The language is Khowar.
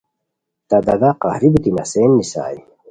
تہ دادا قہری بیتی نسین نیسائے